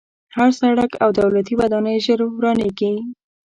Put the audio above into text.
هر سړک او دولتي ودانۍ ژر ورانېږي.